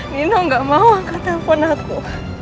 nino gak mau angkat telpon aku